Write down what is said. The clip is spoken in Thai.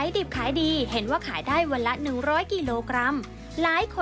ก็คือว่าเอาไซส์อ่านแล้วก็กินเลย